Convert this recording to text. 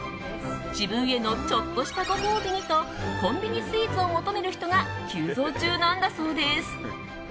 自分へのちょっとしたご褒美にとコンビニスイーツを求める人が急増中なんだそうです。